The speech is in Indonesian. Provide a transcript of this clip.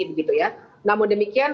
begitu ya namun demikian